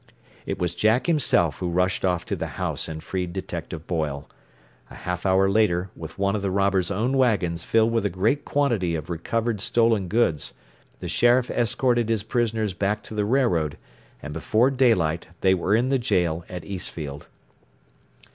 It was Jack himself who rushed off to the house and freed Detective Boyle. A half hour later, with one of the robbers' own wagons filled with a great quantity of recovered stolen goods, the sheriff escorted his prisoners back to the railroad, and before daylight they were in the jail at Eastfield.